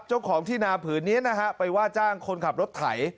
เจ้าของที่นาผืนนี้นะฮะไปว่าจ้างคนขับรถไถ